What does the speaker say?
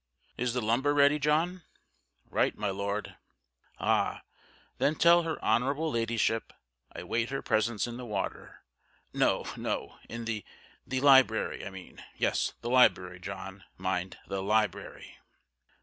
Is the lumber ready, John?" "Right, my Lord." "Ah! then tell Her Honourable Ladyship I wait her presence in the water . No! no! in the the library, I mean. Yes, the library, John mind the library."